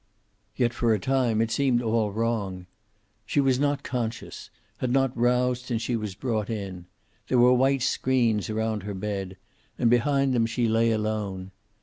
Yet, for a time, it seemed all wrong. She was not conscious, had not roused since she was brought it. There were white screens around her bed, and behind them she lay alone.